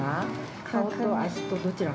顔と足とどちらが。